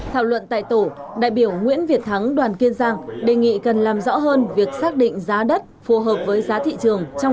thảo luận tại tổ đại biểu nguyễn việt thắng đoàn kiên giang